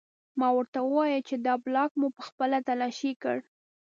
ما ورته وویل چې دا بلاک موږ پخپله تلاشي کړ